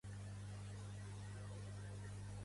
Pertany al moviment independentista la Lucresia?